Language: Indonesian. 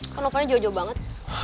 kan novelnya jauh jauh banget